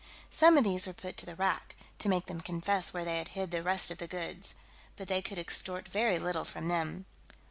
Some of these were put to the rack, to make them confess where they had hid the rest of the goods; but they could extort very little from them.